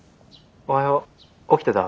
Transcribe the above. おはよう。